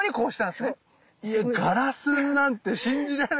いやガラスなんて信じられない。